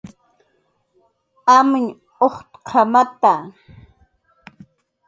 "Amñ ujtq""amata"